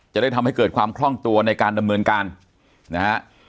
จะได้ทำให้เกิดความคล่องตัวในการดำเนินการนะฮะ